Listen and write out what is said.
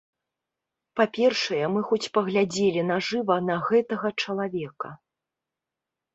Па-першае, мы хоць паглядзелі на жыва на гэтага чалавека.